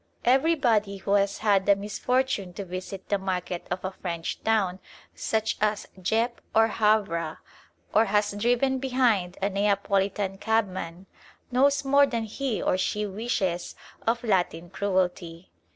Everybody who has had the misfortune to visit the market of a French town, such as Dieppe or Havre, or has driven behind a Neapolitan cabman, knows more than he or she wishes of Latin cruelty.